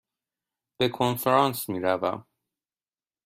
به کنفرانس می روم.